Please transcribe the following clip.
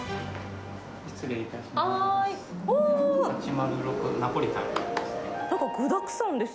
失礼いたします。